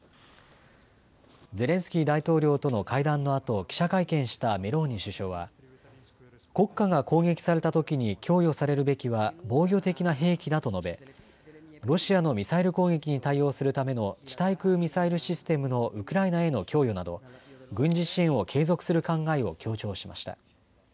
ゼレンスキー大統領との会談のあとの記者会見したメローニ首相は国家が攻撃されたときに供与されるべきは防御的な兵器だと述べロシアのミサイル攻撃に対応するための地対空ミサイルシステムのウクライナへの供与など軍事支援を継続する考えを強調しました。